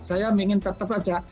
saya ingin tetap aja